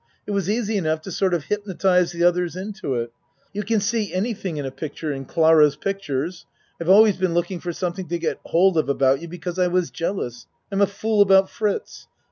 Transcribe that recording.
It was easy enough to sort of hypnotize the others into it. You can see anything in a picture in Clara's pictures. I've always been looking for something to get hold of about you because I was jealous. I'm a fool about Fritz.